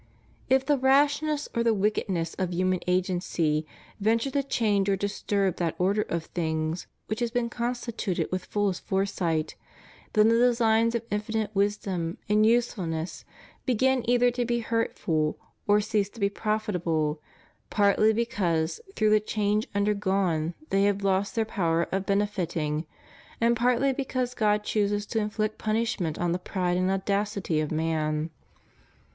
If the rashness or the wickedness of human agency venture to change or disturb that order of things which has been constituted with fullest foresight^ then the designs of infinite wisdom and usefulness begin either to be hurtful or cease to be profitable, partly because through the change undergone they have lost their power of bene fiting, and partly because God chooses to inflict punish ment on the pride and audacity of man.